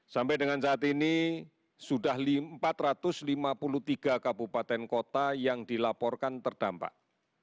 sampai dengan saat ini sudah empat ratus lima puluh tiga kabupaten kota yang dilaporkan terdampak